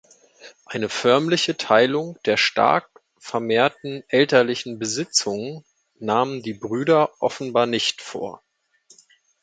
Eine förmliche Teilung der stark vermehrten elterlichen Besitzungen nahmen die Brüder offenbar nicht vor.